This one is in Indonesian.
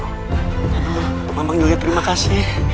aduh memang juga terima kasih